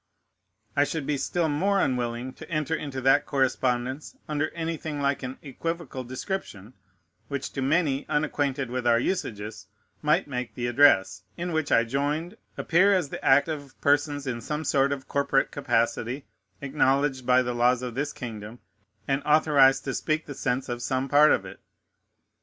I should be still more unwilling to enter into that correspondence under anything like an equivocal description, which to many, unacquainted with our usages, might make the address in which I joined appear as the act of persons in some sort of corporate capacity, acknowledged by the laws of this kingdom, and authorized to speak the sense of some part of it.